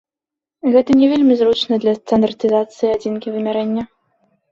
Гэта не вельмі зручна для стандартызацыі адзінкі вымярэння.